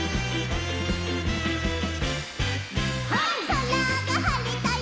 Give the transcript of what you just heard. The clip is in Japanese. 「そらがはれたよ」